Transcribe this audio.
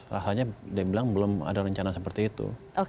rasanya dia bilang belum ada rencana seperti itu